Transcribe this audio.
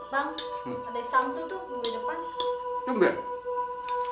bang ada samsu tuh gue depan